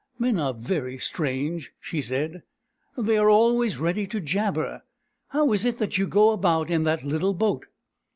" Men are very strange," she said. " They are always ready to jabber. How is it that you go about in that little boat